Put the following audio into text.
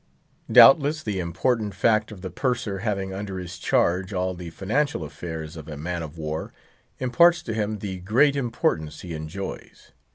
Doubtless the important fact of the Purser having under his charge all the financial affairs of a man of war, imparts to him the great importance he enjoys.